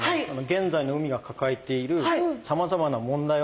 現在の海が抱えているさまざまな問題をですね